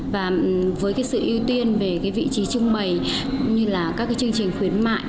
và với sự ưu tiên về vị trí trưng bày như là các chương trình khuyến mại